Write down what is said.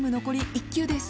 １球です。